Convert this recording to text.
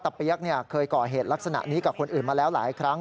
เปี๊ยกเคยก่อเหตุลักษณะนี้กับคนอื่นมาแล้วหลายครั้ง